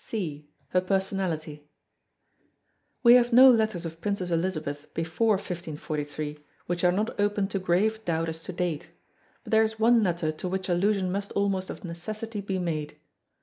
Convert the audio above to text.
(c) Her personality We have no letters of Princess Elizabeth before 1543 which are not open to grave doubt as to date, but there is one letter to which allusion must almost of necessity be made.